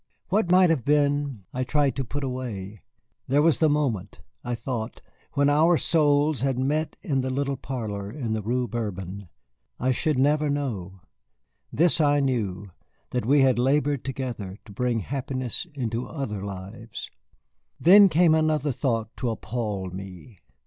What might have been I tried to put away. There was the moment, I thought, when our souls had met in the little parlor in the Rue Bourbon. I should never know. This I knew that we had labored together to bring happiness into other lives. Then came another thought to appall me.